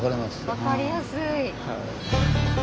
分かりやすい。